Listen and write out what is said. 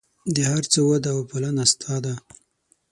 د هر څه وده او پالنه ستا ده.